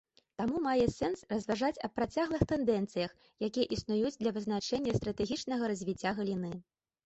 Таму мае сэнс разважаць аб працяглых тэндэнцыях, якія існуюць для вызначэння стратэгічнага развіцця галіны.